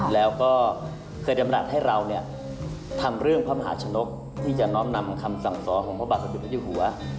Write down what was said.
แล้วก็เคยจำลักให้เราทำเรื่องพระมหาชนกที่จะน้อมนำคำสั่งสอของพระบาทสัตวิปัชฌีหัว